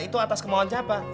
itu atas kemauan siapa